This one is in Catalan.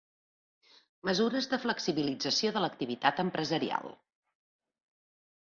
Mesures de flexibilització de l'activitat empresarial.